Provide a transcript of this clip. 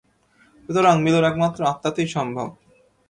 সুতরাং মিলন একমাত্র আত্মাতেই সম্ভব।